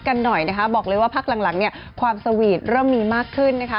กันหน่อยการบอกเลยว่าพรรคหลังเนี่ยความสวีรร่ำนีมากขึ้นนะ